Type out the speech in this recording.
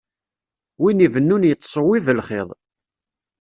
Win ibennun yettṣewwib lxiḍ.